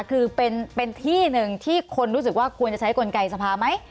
คือเป็นที่หนึ่งที่คนรู้สึกว่าควรจะใช้กลไกสภาไหม